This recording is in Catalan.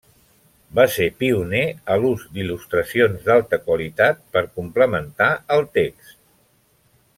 Va ser pioner a l'ús d'il·lustracions d'alta qualitat per complementar el text.